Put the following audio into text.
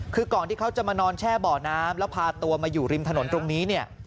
คือก่อนที่เขาจะมานอนแช่บ่อน้ำแล้วพาตัวมาอยู่ริมถนนตรงนี้เนี่ย